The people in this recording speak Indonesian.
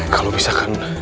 kalau bisa kan